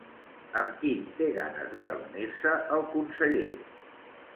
Amb qui té ganes de reunir-se el conseller?